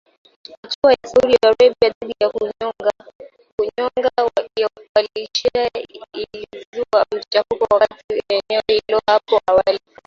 Hatua ya Saudi Arabia dhidi ya kuwanyonga washia ilizua machafuko katika eneo hilo hapo awali